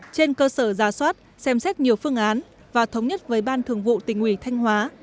trên cơ sở giả soát xem xét nhiều phương án và thống nhất với ban thường vụ tỉnh ủy thanh hóa